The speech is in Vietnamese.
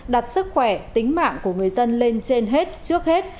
đặt sức khỏe tính mạng của người dân lên trên hết trước hết